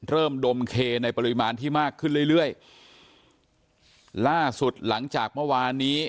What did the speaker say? ดมเคในปริมาณที่มากขึ้นเรื่อยเรื่อยล่าสุดหลังจากเมื่อวานนี้